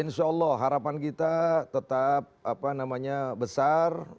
insya allah harapan kita tetap besar